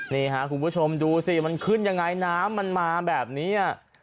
นี่ค่ะคุณผู้ชมดูสิมันขึ้นยังไงน้ำมันมาแบบนี้